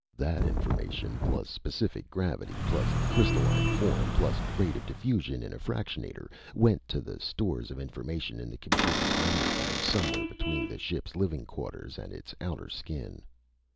That information, plus specific gravity, plus crystalline form, plus rate of diffusion in a fractionator, went to the stores of information in the computer's memory banks somewhere between the ship's living quarters and its outer skin.